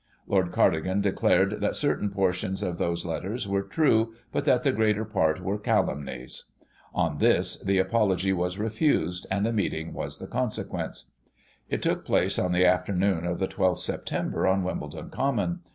Lord Cardigan declared that certain portions of those letters were true, but that the greater part were calumnies. On this, the apology was refused, and a meeting was the consequence. It took place on the afternoon of the 12th Sep., on Wimbledon Common.